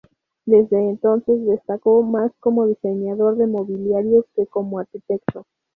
Desde entonces destacó más como diseñador de mobiliario que como arquitecto.